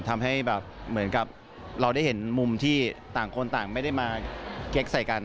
ทำให้แบบเหมือนกับเราได้เห็นมุมที่ต่างคนต่างไม่ได้มาเก๊กใส่กัน